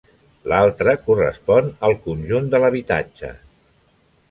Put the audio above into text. L'altra correspon al conjunt de l'habitatge.